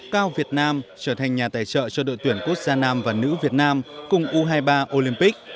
cao việt nam trở thành nhà tài trợ cho đội tuyển quốc gia nam và nữ việt nam cùng u hai mươi ba olympic